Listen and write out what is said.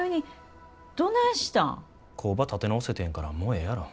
工場立て直せてんやからもうええやろ。